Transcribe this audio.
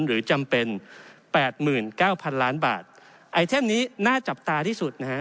หรือจำเป็น๘๙๐๐๐ล้านบาทไอเทมนี้น่าจับตาที่สุดนะฮะ